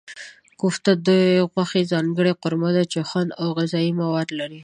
کوفته د غوښې ځانګړې قورمه ده چې خوند او غذايي مواد لري.